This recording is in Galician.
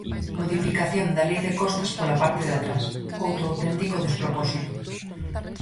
Modificación da Lei de costas pola parte de atrás, outro auténtico despropósito.